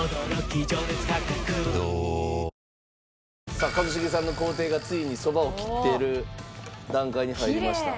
さあ一茂さんの工程がついにそばを切っている段階に入りました。